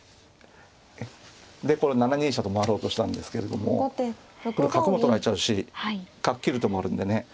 でこれ７二飛車と回ろうとしたんですけれどもこれ角も取られちゃうし角切る手もあるんでね。